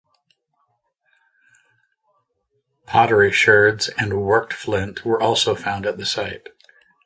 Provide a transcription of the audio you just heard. Pottery sherds and worked flint were also found at the site.